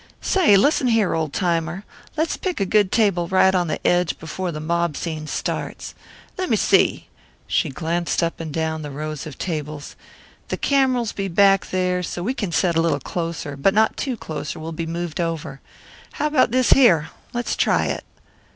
"Say, listen here, old timer! Let's pick a good table right on the edge before the mob scene starts. Lemme see " She glanced up and down the rows of tables. "The cam'ras'll be back there, so we can set a little closer, but not too close, or we'll be moved over. How 'bout this here? Let's try it."